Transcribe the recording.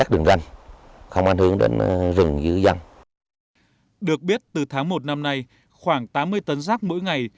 được biết từ tháng một năm nay khoảng tám mươi tấn rác mỗi ngày